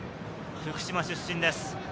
福島出身です。